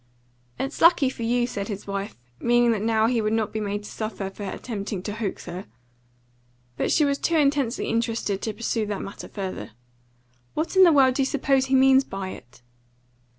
"It's lucky for you," said his wife, meaning that now he would not be made to suffer for attempting to hoax her. But she was too intensely interested to pursue that matter further. "What in the world do you suppose he means by it?"